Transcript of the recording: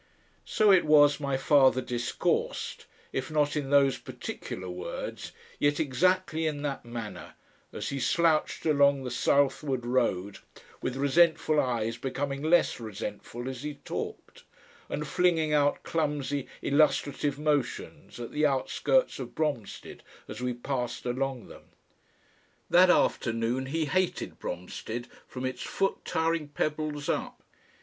So it was my father discoursed, if not in those particular words, yet exactly in that manner, as he slouched along the southward road, with resentful eyes becoming less resentful as he talked, and flinging out clumsy illustrative motions at the outskirts of Bromstead as we passed along them. That afternoon he hated Bromstead, from its foot tiring pebbles up.